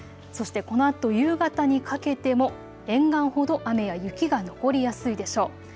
そしてこのあと夕方にかけても沿岸ほど雨や雪が残りやすいでしょう。